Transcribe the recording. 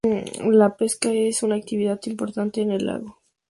La pesca es una actividad importante en el lago.